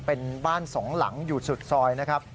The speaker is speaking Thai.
เป็นบ้านสองหลังอยู่สุดซอยนะครับ